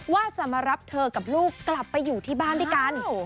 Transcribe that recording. ว่าจะมารับเธอกับลูกกลับไปอยู่ที่บ้านด้วยกัน